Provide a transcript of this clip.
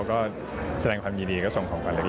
ก็แสดงความยินดีก็ส่งของขวัญเล็ก